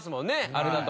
あれだと。